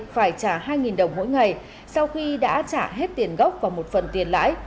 phải trả hai đồng mỗi ngày sau khi đã trả hết tiền gốc và một phần tiền lãi